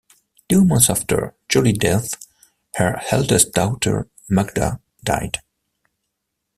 Two months after Jolie's death, her eldest daughter, Magda, died.